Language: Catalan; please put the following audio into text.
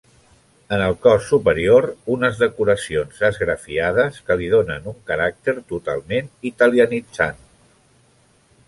En el cos superior unes decoracions esgrafiades que li donen un caràcter totalment italianitzant.